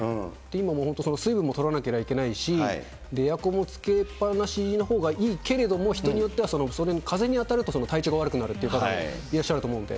今も本当、水分もとらなけりゃいけないし、エアコンもつけっぱなしのほうがいいけれども、人によっては、風に当たると体調が悪くなるっていう方もいらっしゃると思うんで。